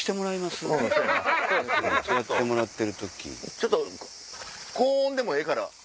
ちょっと高音でもええから。